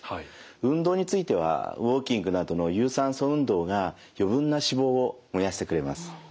運動についてはウォーキングなどの有酸素運動が余分な脂肪を燃やしてくれます。